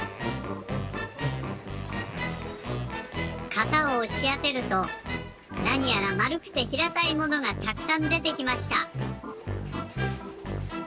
型をおしあてるとなにやらまるくてひらたいものがたくさんでてきました。